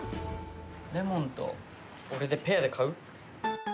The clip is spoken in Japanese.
レモンと俺でペアで買う？